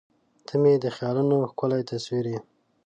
• ته مې د خیالونو ښکلی تصور یې.